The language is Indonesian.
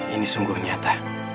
ini sungguh nyata